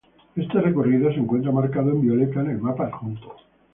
Este recorrido se encuentra marcado en violeta en el mapa adjunto.